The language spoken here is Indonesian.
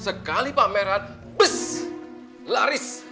sumpahologie sama papan lah